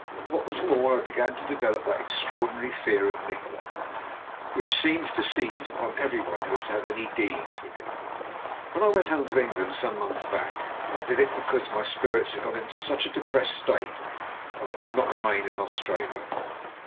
What was more, I began to develop that extraordinary fear of Nikola which seems to seize upon every one who has any dealings with him. When I went home to England some months back, I did it because my spirits had got into such a depressed state that I could not remain in Australia.